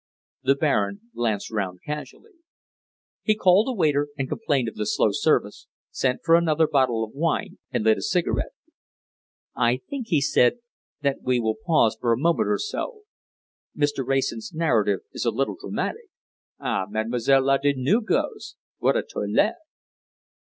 The Baron glanced round casually. He called a waiter and complained of the slow service, sent for another bottle of wine, and lit a cigarette. "I think," he said, "that we will pause for a moment or so. Mr. Wrayson's narrative is a little dramatic! Ah! Mademoiselle la danseuse goes! What a toilet!"